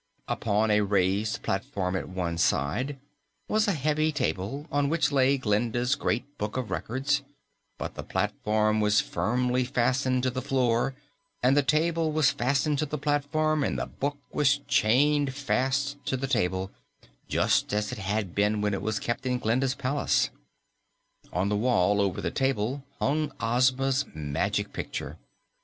Upon a raised platform at one side was a heavy table on which lay Glinda's Great Book of Records, but the platform was firmly fastened to the floor and the table was fastened to the platform and the Book was chained fast to the table, just as it had been when it was kept in Glinda's palace. On the wall over the table hung Ozma's Magic Picture.